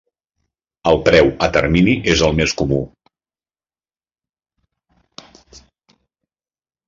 El preu a termini és el més comú.